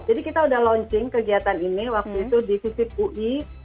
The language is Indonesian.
jadi kita sudah launching kegiatan ini waktu itu di sisip ui